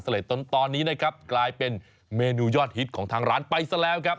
ตอนนี้นะครับกลายเป็นเมนูยอดฮิตของทางร้านไปซะแล้วครับ